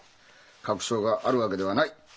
確証があるわけではない。